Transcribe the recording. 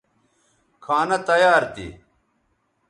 کھانہ تیار تھی